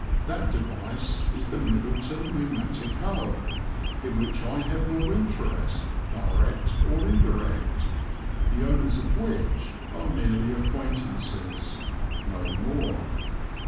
That device is the Middleton Pneumatic Hub, in which I have no interest direct or indirect, the owners of which are merely acquaintances, no more.